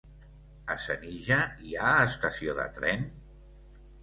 A Senija hi ha estació de tren?